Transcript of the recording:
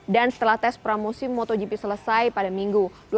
dan setelah tes pramusim motogp selesai pada minggu